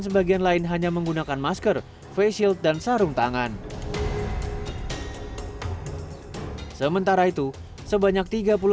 sebagian lain hanya menggunakan masker face shield dan sarung tangan sementara itu sebanyak tiga puluh